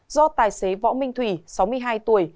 do tài xế võ minh thủy sáu mươi hai tuổi